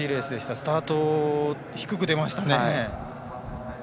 スタート、低く出ましたね。